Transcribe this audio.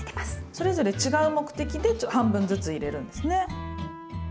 それぞれ違う目的で半分ずつ入れるんですね。